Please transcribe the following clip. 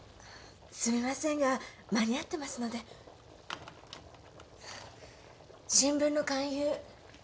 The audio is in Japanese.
すみませんが間に合ってますので新聞の勧誘